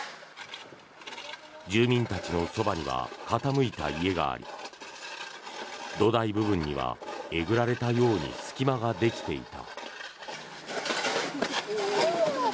住民たちのそばには傾いた家があり土台部分には、えぐられたように隙間ができていた。